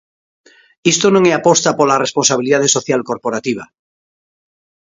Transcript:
Isto non é aposta pola responsabilidade social corporativa.